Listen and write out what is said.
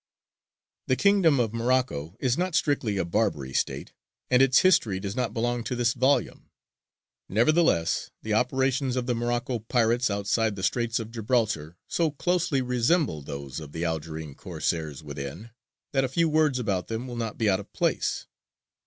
The kingdom of Morocco is not strictly a Barbary state, and its history does not belong to this volume Nevertheless, the operations of the Morocco pirates outside the Straits of Gibraltar so closely resemble those of the Algerine Corsairs within, that a few words about them will not be out of place.